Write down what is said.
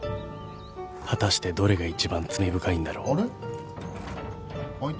［果たしてどれが一番罪深いんだろう］あれ？